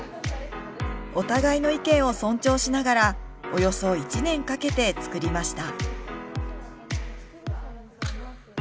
お互いの意見を尊重しながらおよそ１年かけて作りました。